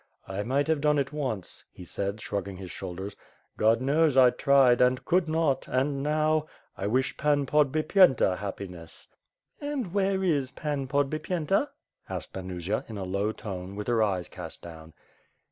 "I might have done it once," he said, shrugging his shoul ders. "God knows I tried it and could not, and now — ^I wish Pan Podbipyenta happiness." "And where is Pan Podbipyenta?" asked Anusia in a low tone, with her eyes cast down.